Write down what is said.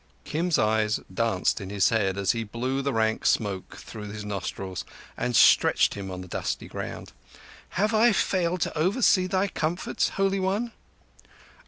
Kim's eyes danced in his head as he blew the rank smoke through his nostrils and stretched him on the dusty ground. "Have I failed to oversee thy comforts, Holy One?"